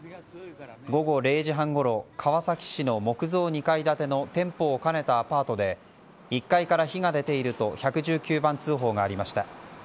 午後０時半ごろ川崎市の木造２階建ての店舗を兼ねたアパートで１階から火が出ていると１１９番通報がありました。